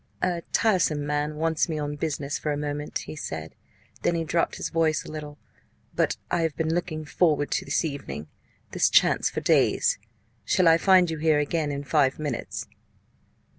"A tiresome man wants me on business for a moment," he said; then he dropped his voice a little; "but I have been looking forward to this evening, this chance, for days shall I find you here again in five minutes?"